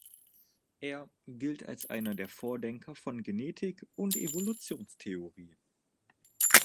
Er gilt als einer der Vordenker von Genetik und Evolutionstheorie.